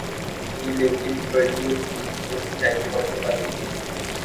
گی‘ لیکن بڑی خوبی وہی ہیلی کاپٹر والی تھی۔